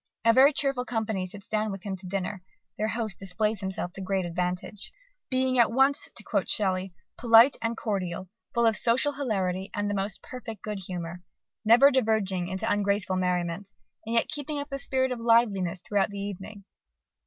A very cheerful company sits down with him to dinner: their host displays himself to great advantage, "being at once," to quote Shelley, "polite and cordial, full of social hilarity and the most perfect good humour, never diverging into ungraceful merriment, and yet keeping up the spirit of liveliness throughout the evening."